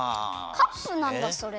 カップなんだそれ。